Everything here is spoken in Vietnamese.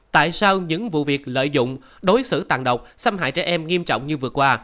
tại sao những vụ việc lợi dụng đối xử tàn độc xâm hại trẻ em nghiêm trọng như vừa qua